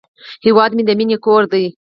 هیواد مې د مینې کور دی